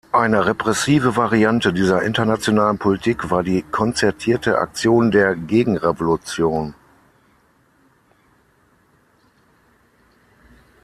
Eine repressive Variante dieser internationalen Politik war die konzertierte Aktion der Gegenrevolution.